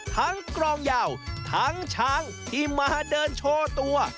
กรองยาวทั้งช้างที่มาเดินโชว์ตัว